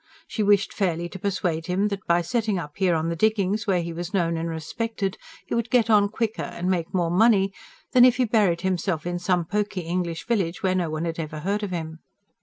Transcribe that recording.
She wished fairly to persuade him that, by setting up here on the diggings where he was known and respected, he would get on quicker, and make more money, than if he buried himself in some poky English village where no one had ever heard of him.